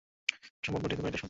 অসম্ভব বটে, তবে এটাই সত্য।